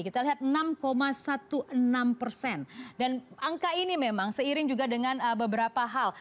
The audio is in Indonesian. kita lihat enam enam belas persen dan angka ini memang seiring juga dengan beberapa hal